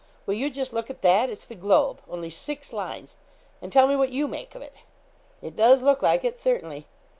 Will you just look at that it's the 'Globe' only six lines, and tell me what you make of it?' 'It does look like it, certainly.'